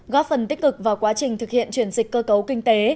góp phần tích cực vào quá trình thực hiện chuyển dịch cơ cấu kinh tế